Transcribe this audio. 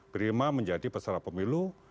berima menjadi peserta pemilu